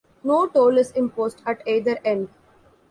No toll is imposed at either end.